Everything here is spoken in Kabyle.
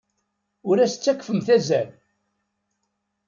Ur as-ttakfemt azal.